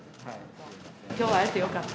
きょうは会えてよかった。